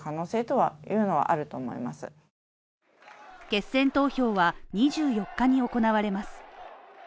決選投票は２４日に行われます。